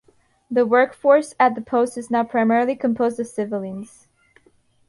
The workforce at the post is now primarily composed of civilians.